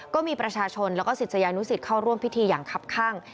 ก็มีประชาชนแล้วก็ศิษยานุสิตเข้าร่วมพิธีอย่างคับข้าง